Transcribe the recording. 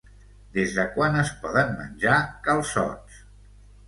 Des de quan es poden menjar calçots?